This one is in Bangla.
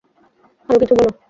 আরো কিছু বলো।